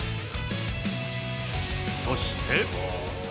そして。